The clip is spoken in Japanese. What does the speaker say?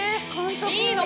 いいの？